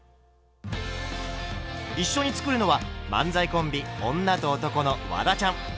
一緒に作るのは漫才コンビ「女と男」のワダちゃん。